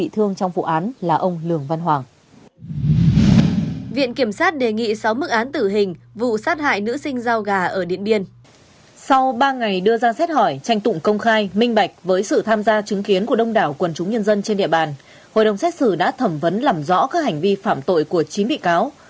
sau ba ngày đưa ra xét hỏi tranh tụng công khai minh bạch với sự tham gia chứng kiến của đông đảo quần chúng nhân dân trên địa bàn hội đồng xét xử đã thẩm vấn làm rõ các hành vi phạm tội của chín bị cáo